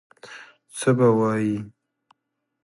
څه به وایي.